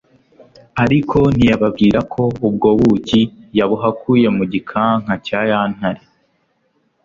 ariko ntiyababwira ko ubwo buki yabuhakuye mu gikanka cya ya ntare